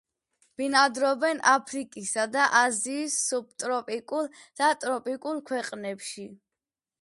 ბინადრობენ აფრიკისა და აზიის სუბტროპიკულ და ტროპიკულ ქვეყნებში.